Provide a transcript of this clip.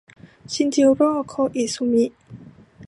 ชินจิโร โคอิสุมิ